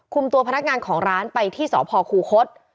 ตัวพนักงานของร้านไปที่สพคูคศ